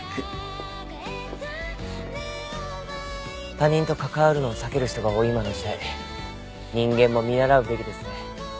他人と関わるのを避ける人が多い今の時代人間も見習うべきですね。